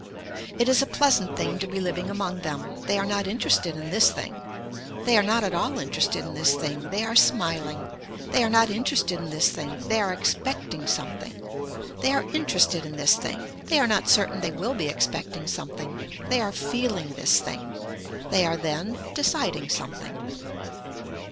It is a pleasant thing to be living among them. They are not interested in this thing. They are not at all interested in this thing. They are smiling. They are not interested in this thing. They are expecting something. They are interested in this thing. They are not certain they will be expecting something. They are feeling this thing. They are then deciding something.